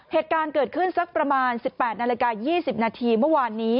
เหตุการณ์เกิดขึ้นสักประมาณ๑๘นาฬิกา๒๐นาทีเมื่อวานนี้